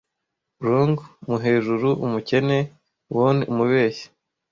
Wrong mu hejuru umukene -worn. Umubeshyi,